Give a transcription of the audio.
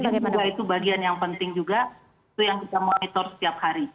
jadi juga itu bagian yang penting juga itu yang kita monitor setiap hari